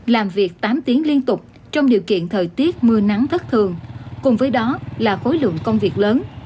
làm việc tám tiếng liên tục trong điều kiện thời tiết mưa nắng thất thường cùng với đó là khối lượng công việc lớn